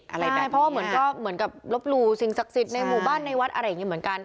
อะไรแบบนี้ใช่เพราะเหมือนกับลบรูสินศักดิ์สิทธิ์ในหมู่บ้านในวัดอะไรอย่างงี้เหมือนกัน